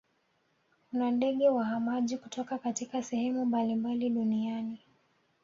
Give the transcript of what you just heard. kuna ndege wahamaji kutoka katika sehemu mbalimbali duniani